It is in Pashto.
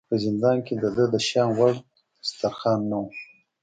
په زندان کې د ده د شان وړ دسترخوان نه و.